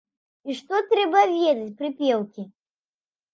І што трэба ведаць прыпеўкі.